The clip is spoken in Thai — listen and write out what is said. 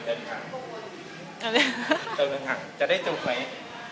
เติมเติมถังจะได้จูบไหม